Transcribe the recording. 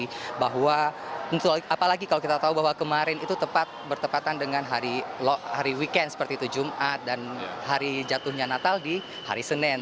jadi bahwa apalagi kalau kita tahu bahwa kemarin itu tepat bertepatan dengan hari weekend seperti itu jumat dan hari jatuhnya natal di hari senin